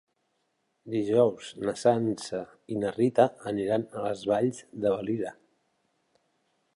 Dijous na Sança i na Rita aniran a les Valls de Valira.